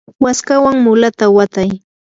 waskawan mulata watay.